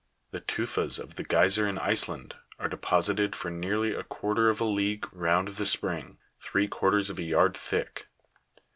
The tu'fas of the geyser in Iceland are deposited for nearly a quarter of a league round the spring, three quarters of a yard thick.